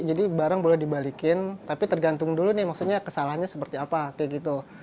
jadi barang boleh dibalikin tapi tergantung dulu nih maksudnya kesalahannya seperti apa kayak gitu